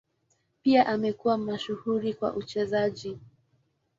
Pia amekuwa mashuhuri kwa uchezaji.